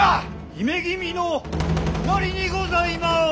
姫君のおなりにございます。